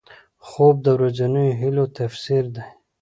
خوب د ورځنیو هیلو تفسیر دی